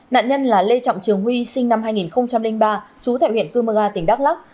nạn nhân là lê trọng trường huy sinh năm hai nghìn ba chú tại huyện cư mơ ga tỉnh đắk lắc